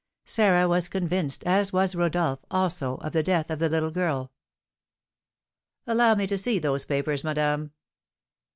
Sarah was convinced, as was Rodolph, also, of the death of the little girl. "Allow me to see those papers, madame."